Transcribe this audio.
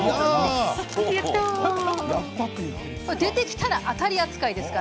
出てきたら、当たり扱いです。